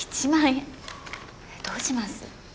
どうします？